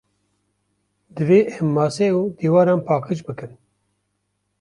Divê em mase û dîwaran paqij bikin.